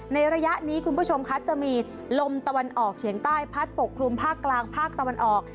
ระยะนี้คุณผู้ชมคะจะมีลมตะวันออกเฉียงใต้พัดปกคลุมภาคกลางภาคตะวันออก